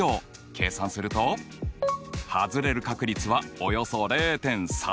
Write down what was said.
計算するとはずれる確率はおよそ０．３７だ。